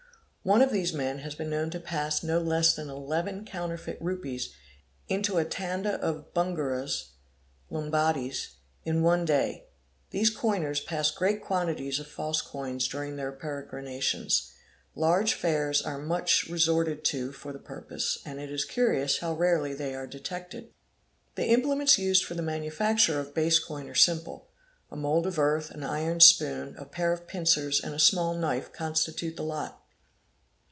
One of these men has been known to pass no less than eleven counterfeit rupees into a Tanda of Bungaras (Lumbddies) in one day. These coiners pass great quantities of false coins during their peregrinations. Large fairs are much resorted to for the purpose, and it is curious how rarely they are detected. | "The implements used for the manufacture of base coin are simple. A mould of earth, an iron spoon, a pair of pincers and a small knife constitute the lot.